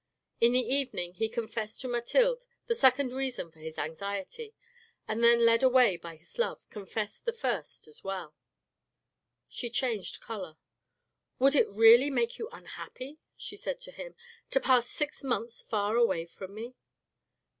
In the evening he confessed to Mathilde the second reason for his anxiety, and then led away by his love, confessed the first as well. 444 TI1E RED AND THE BLACK She changed colour. " Would it really make you unhappy," she said to him, "to pass six months far away from me?"